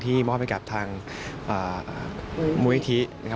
ที่มอบให้กับทางมุยธิ